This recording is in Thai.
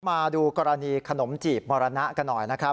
มาดูกรณีขนมจีบมรณะกันหน่อยนะครับ